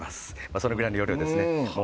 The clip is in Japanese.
それぐらいの容量です。